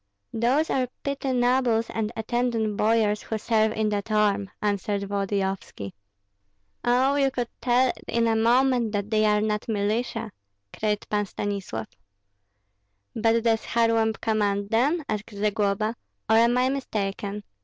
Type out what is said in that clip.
"Those are petty nobles and attendant boyars who serve in that arm," answered Volodyovski. "Oh, you could tell in a moment that they are not militia," cried Pan Stanislav. "But does Kharlamp command them," asked Zagloba, "or am I mistaken?